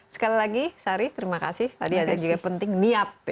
sekali lagi sari terima kasih tadi ada juga penting niat ya